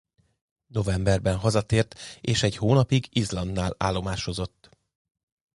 Novemberben hazatért és egy hónapig Izlandnál állomásozott.